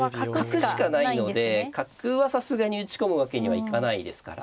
角しかないので角はさすがに打ち込むわけにはいかないですから。